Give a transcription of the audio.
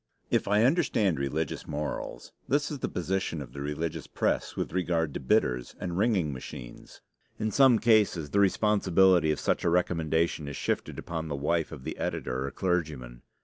If I understand religious morals, this is the position of the religious press with regard to bitters and wringing machines. In some cases, the responsibility of such a recommendation is shifted upon the wife of the editor or clergyman.